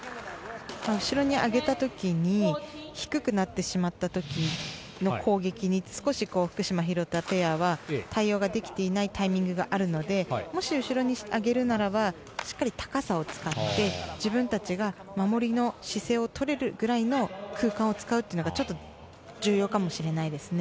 後ろに上げた時に低くなってしまった時の攻撃に、少し福島、廣田ペアは対応ができていないタイミングがあるのでもし、後ろに上げるならばしっかり高さを使って自分たちが守りの姿勢をとれるぐらいの空間を使うのがちょっと重要かもしれないです。